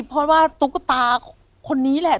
เพราะว่าตุ๊กตาคนนี้แหละ